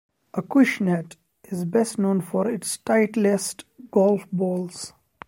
Acushnet is best known for its Titleist golf balls.